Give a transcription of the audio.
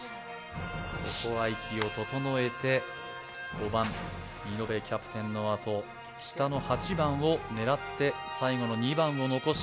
ここは息を整えて５番見延キャプテンのあと下の８番を狙って最後の２番を残し